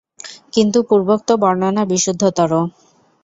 কিন্তু পূর্বোক্ত বর্ণনা বিশুদ্ধতর।